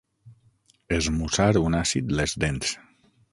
Esmussar un àcid les dents.